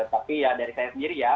tapi ya dari saya sendiri ya